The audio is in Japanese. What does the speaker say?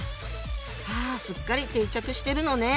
あすっかり定着してるのね。